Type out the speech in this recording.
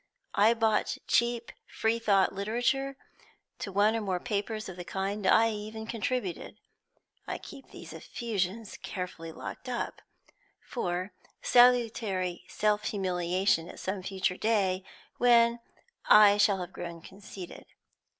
I bought cheap free thought literature; to one or two papers of the kind I even contributed. I keep these effusions carefully locked up, for salutary self humiliation at some future day, when I shall have grown conceited.